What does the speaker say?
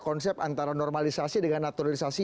konsep antara normalisasi dengan naturalisasi